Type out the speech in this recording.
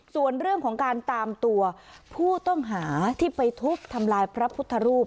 ส่วนเรื่องของการตามตัวผู้ต้องหาที่ไปทุบทำลายพระพุทธรูป